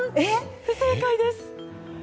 不正解です。